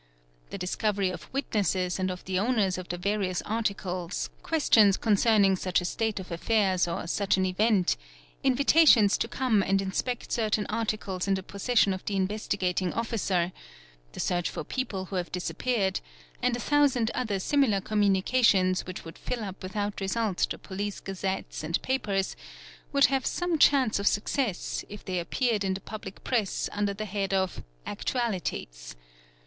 The discovery of witnesses and of the owners of the various articles, ' questions concerning such a state of affairs or such an event, invitations | to come and inspect certain articles in the possession of the Investigating _ Officer, the search for people who have disappeared, and a thousand other similar communications which would fill up without result the Police _gazettes and papers, would have some chance of success, if they appeared in the public press under the head of "actualities.""